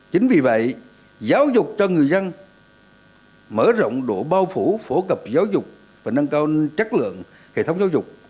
chính vì vậy giáo dục cho người dân mở rộng độ bao phủ phổ cập giáo dục và nâng cao chất lượng hệ thống giáo dục